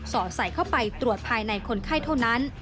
อดใส่เข้าไปตรวจภายในคนไข้เท่านั้น